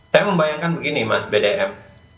saya membayangkan begini mas bdm